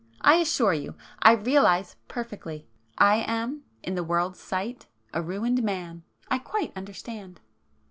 I assure you I realize perfectly. I am in the world's sight a ruined man,—I quite understand!"